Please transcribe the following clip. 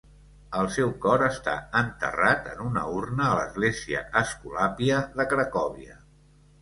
El seu cor està enterrat en una urna a l'església escolàpia de Cracòvia.